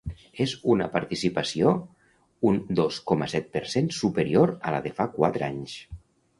És una participació un dos coma set per cent superior a la de fa quatre anys.